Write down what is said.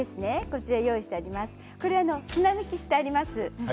これ、砂抜きしてあります。